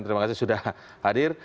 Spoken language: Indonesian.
terima kasih sudah hadir